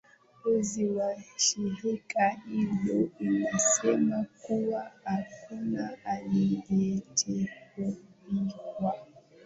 ozi wa shirika hilo unasema kuwa hakuna aliyejeruhiwa